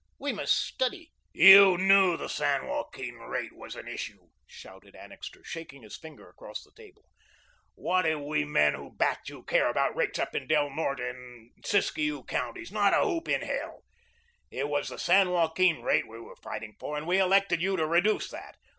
We must study " "You KNEW the San Joaquin rate was an issue," shouted Annixter, shaking his finger across the table. "What do we men who backed you care about rates up in Del Norte and Siskiyou Counties? Not a whoop in hell. It was the San Joaquin rate we were fighting for, and we elected you to reduce that.